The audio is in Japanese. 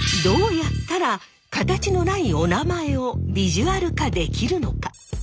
どうやったら形のないおなまえをビジュアル化できるのか？